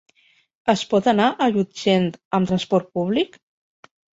Es pot anar a Llutxent amb transport públic?